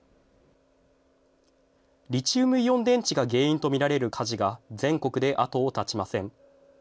リチウムイオン電池が原因と見られる火事が全国で後を絶ちません。